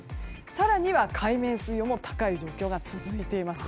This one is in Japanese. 更には海面水温も高い状況が続いています。